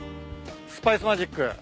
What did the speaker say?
スパイスマジック。